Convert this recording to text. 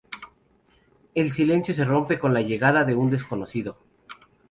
El silencio se rompe con la llegada de un desconocido.